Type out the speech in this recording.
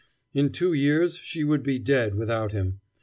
In two years she would be dead without him.